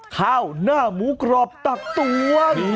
ข้าวหน้าหมูกรอบตักตวง